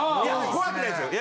怖くないですよ。